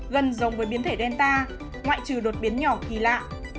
gần giống với biến thể gelta ngoại trừ đột biến nhỏ kỳ lạ